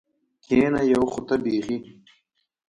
کېنه یو خو ته بېخي.